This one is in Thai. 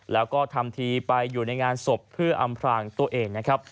แล้วก็ทำทีไปอยู่ในงานศพเพื่ออำพลางตัวเองนะครับ